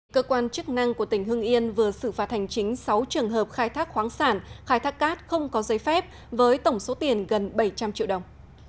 cơ quan chức năng của tỉnh hưng yên vừa xử phạt hành chính sáu trường hợp khai thác khoáng sản khai thác cát không có giấy phép với tổng số tiền gần bảy trăm linh triệu đồng